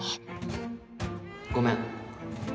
ごめん。